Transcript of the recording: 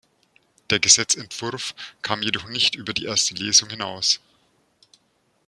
Der Gesetzentwurf kam jedoch nicht über die erste Lesung hinaus.